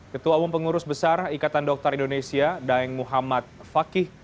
ketua umum pengurus besar ikatan dokter indonesia daeng muhammad fakih